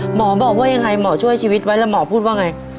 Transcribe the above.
หมอบอกว่ายังไงหมอช่วยชีวิตไว้แล้วหมอพูดว่าไง